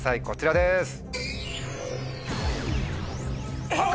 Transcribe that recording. こちらです。